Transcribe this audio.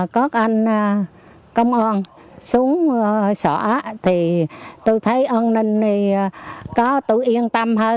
các anh công an xuống xã thì tôi thấy an ninh thì có tôi yên tâm hơn